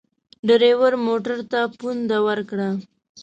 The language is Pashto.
ډریور موټر ته پونده ورکړه.